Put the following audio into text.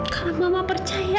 kalau mama percaya